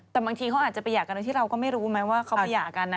แต่บางทีเขาอาจจะประหยากกันที่เราก็ไม่รู้ไหมว่าเขาประหยากกัน